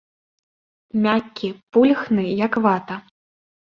Мяккі, пульхны, як вата.